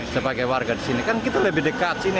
sepakai warga disini kan kita lebih dekat sini